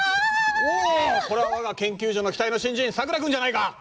おおこれはわが研究所の期待の新人さくら君じゃないか。